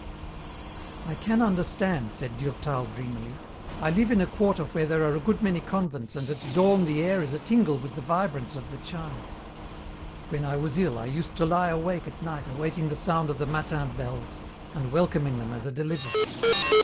"I can understand," said Durtal dreamily. "I live in a quarter where there are a good many convents and at dawn the air is a tingle with the vibrance of the chimes. When I was ill I used to lie awake at night awaiting the sound of the matin bells and welcoming them as a deliverance.